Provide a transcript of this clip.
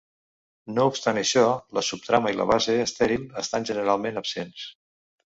No obstant això, la subtrama i la base estèril estan generalment absents.